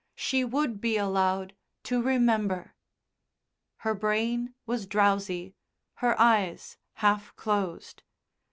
She would be allowed to remember. Her brain was drowsy, her eyes half closed.